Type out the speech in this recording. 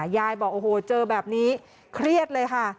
ยายบอกโอ้โหเจอแบบนี้เครียดเลยค่ะ